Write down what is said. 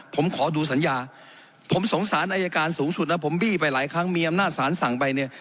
ผมขอดูสัญญาผมสงสารอายการสูงสุดนะผมบี้ไปหลายครั้งมีอำนาจสารสั่งไปเนี่ย